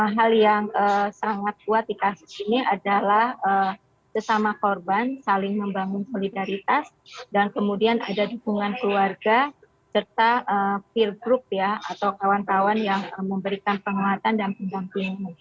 hal yang sangat kuat di kasus ini adalah sesama korban saling membangun solidaritas dan kemudian ada dukungan keluarga serta peer group ya atau kawan kawan yang memberikan penguatan dan pendampingan